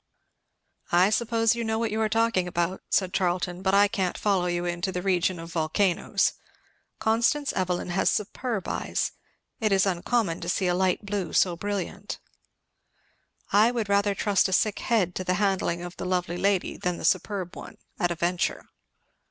"I suppose you know what you are talking about," said Charlton, "but I can't follow you into the region of volcanos. Constance Evelyn has superb eyes. It is uncommon to see a light blue so brilliant." "I would rather trust a sick head to the handling of the lovely lady than the superb one, at a venture."